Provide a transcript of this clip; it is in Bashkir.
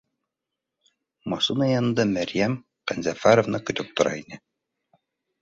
Машина янында Мәрйәм Ҡәнзәфәровна көтөп тора ине